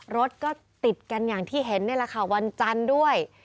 รถก็ติดกันอย่างที่เห็นนี่แหละค่ะวันจันทร์ด้วย